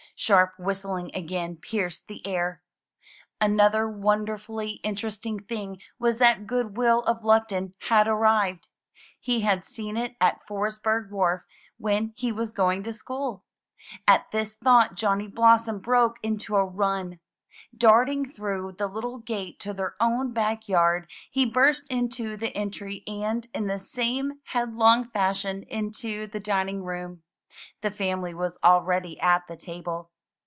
Sharp whistling again pierced the air. Another wonderfully interesting thing was that "Goodwill of Luckton had arrived. He had seen it at Frosberg's wharf when he was going to school. At this thought Johnny Blossom broke into a run. Darting through the little gate to their own back yard, he burst into the entry and, in the same headlong fashion, into the dining room. The family was already at the table.